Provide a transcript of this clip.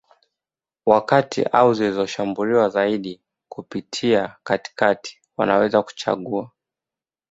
wa kati au zinazoshambulia zaidi kupitia katikati wanaweza kuchagua